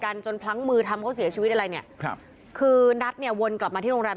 จนพลั้งมือทำเขาเสียชีวิตอะไรเนี่ยครับคือนัทเนี่ยวนกลับมาที่โรงแรม